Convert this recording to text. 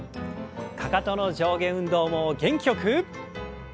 かかとの上下運動を元気よく。